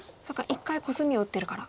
一回コスミを打ってるから。